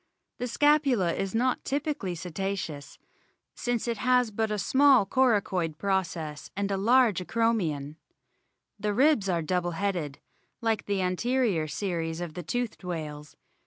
The scapula is not typically Cetaceous, since it has but a small coracoid process and a large acromion. The ribs are double headed, like the anterior series of the toothed whales.